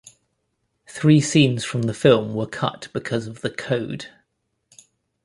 Three scenes from the film were cut because of the Code.